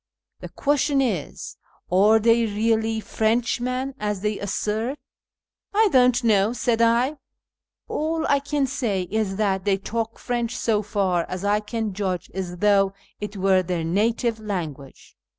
The ([uestion is, are they really Frenchman, as they assert ?"" I don't know," said I ;" all I can say is that they talk 1 French, so far as I can judge, as though it were their native langua^^e."